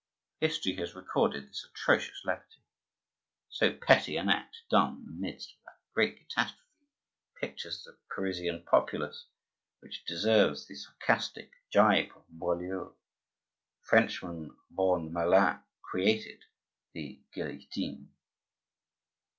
History has recorded this atrocious levity. So petty an act done in the midst of that great catastrophe pictures the Parisian populace, which deserves the sarcastic jibe of Boileau: "Frenchmen, born malin, created the guillotine."